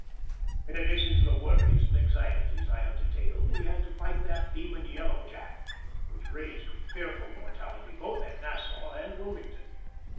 In addition to the worries and anxieties I have detailed we had to fight that demon, yellow Jack, which raged with fearful mortality both at Nassau and Wilmington.